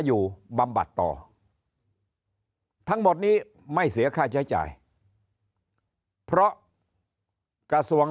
บำบัดต่อทั้งหมดนี้ไม่เสียค่าใช้จ่ายเพราะกระทรวง